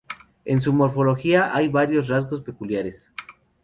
En su morfología hay varios rasgos peculiares.